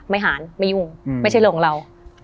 หารไม่ยุ่งไม่ใช่เรื่องของเรา